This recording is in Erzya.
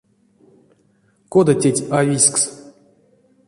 Кода теть а визькс?